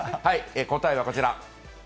答えはこちら。